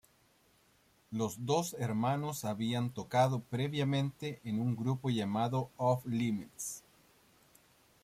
Los dos hermanos habían tocado previamente en un grupo llamado Off Limits.